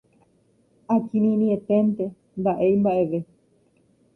Akirirĩeténte, nda'evéi mba'eve